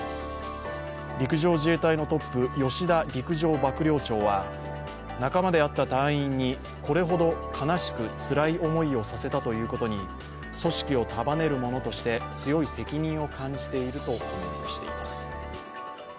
陸上自衛隊のトップ・吉田陸上幕僚長は仲間であった隊員に、これほど悲しく、つらい思いをさせたということに組織を束ねる者として強い責任を感じているとコメントしています。